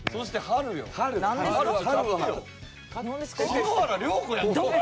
篠原涼子やんか。